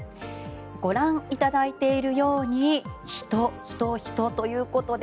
ご覧いただいているように人、人、人ということで。